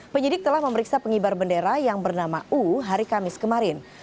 penyidik telah memeriksa pengibar bendera yang bernama u hari kamis kemarin